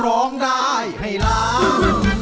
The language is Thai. ร้องได้ให้ล้าน